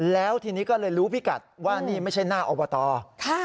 แล้วทีนี้ก็เลยรู้พี่กัดว่านี่ไม่ใช่หน้าออปเวอร์ตอร์ค่ะ